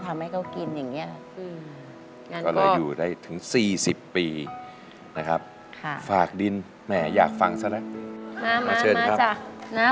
มามาจ๊ะ